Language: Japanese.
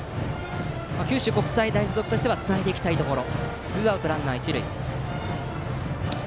九州国際大付属としてはつないでいきたいところ。